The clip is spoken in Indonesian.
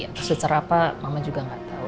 atau secara apa mama juga gak tahu